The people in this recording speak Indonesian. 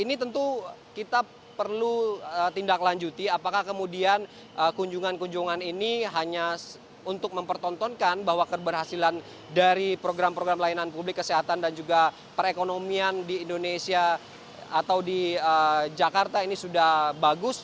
ini tentu kita perlu tindak lanjuti apakah kemudian kunjungan kunjungan ini hanya untuk mempertontonkan bahwa keberhasilan dari program program layanan publik kesehatan dan juga perekonomian di indonesia atau di jakarta ini sudah bagus